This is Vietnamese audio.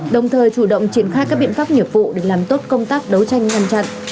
đồng thời chủ động triển khai các biện pháp nghiệp vụ để làm tốt công tác đấu tranh ngăn chặn